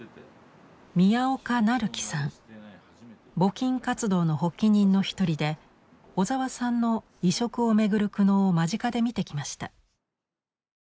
募金活動の発起人の一人で小沢さんの移植を巡る苦悩を間近で見てきました。